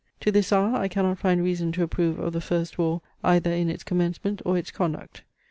To this hour I cannot find reason to approve of the first war either in its commencement or its conduct.